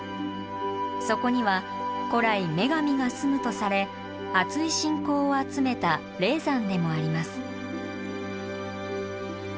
そこには古来女神が住むとされあつい信仰を集めた霊山でもあります。